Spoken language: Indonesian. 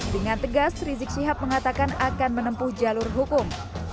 dengan tegas rizik syihab mengatakan akan menempuh jalur hukum